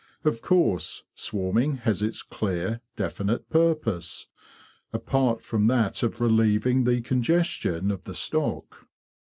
Of course, swarming has its clear, definite purpose, apart from that of relieving the congestion of the stock.